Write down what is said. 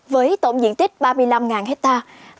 với tổng diện tích ba mươi năm hectare